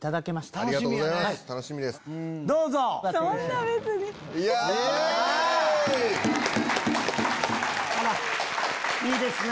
あらいいですね